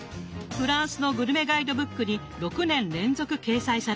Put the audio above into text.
フランスのグルメガイドブックに６年連続掲載されています。